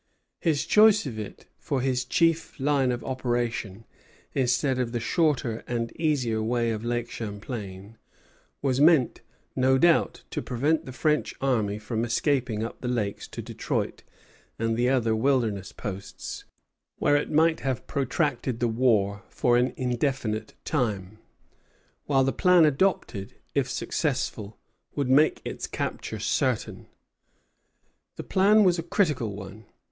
His choice of it for his chief line of operation, instead of the shorter and easier way of Lake Champlain, was meant, no doubt, to prevent the French army from escaping up the Lakes to Detroit and the other wilderness posts, where it might have protracted the war for an indefinite time; while the plan adopted, if successful, would make its capture certain. The plan was a critical one.